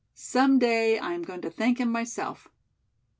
Some day I am going to thank him, myself."